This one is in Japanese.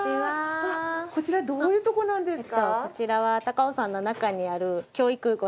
こちらどういうところなんですか？